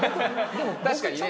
確かにね。